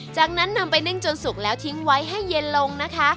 จากนั้นนำไปนึ่งจนสุกแล้วทิ้งไว้ให้เย็นลงนะคะ